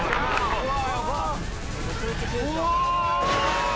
・うわ！